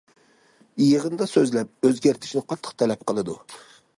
يىغىندا سۆزلەپ، ئۆزگەرتىشنى قاتتىق تەلەپ قىلىدۇ.